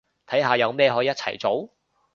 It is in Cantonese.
睇下有咩可以一齊做